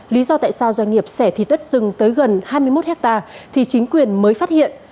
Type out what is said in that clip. lý do tại sao doanh nghiệp sẻ thịt đất rừng tới gần hai mươi một hectare thì chính quyền mới phát hiện